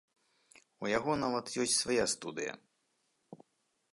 У яго нават ёсць свая студыя!